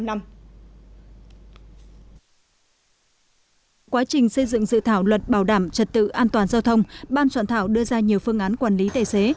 quá trình xây dựng dự thảo luật bảo đảm trật tự an toàn giao thông ban soạn thảo đưa ra nhiều phương án quản lý tài xế